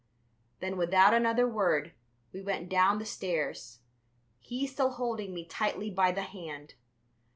Then, without another word, we went down the stairs, he still holding me tightly by the hand.